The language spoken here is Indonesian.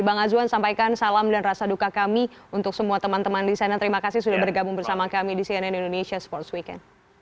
bang azwan sampaikan salam dan rasa duka kami untuk semua teman teman di sana terima kasih sudah bergabung bersama kami di cnn indonesia sports weekend